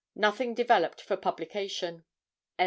Nothing developed for publication."